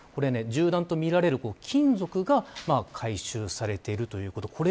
銃弾とみられる金属が回収されているということ。